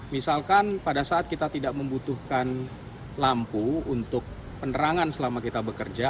misalkan pada saat kita tidak membutuhkan lampu untuk penerangan selama kita bekerja